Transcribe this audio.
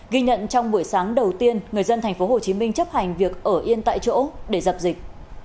ghi nhận trong buổi sáng đầu tiên người dân thành phố hồ chí minh chấp hành việc ở yên tại chỗ để dập dịch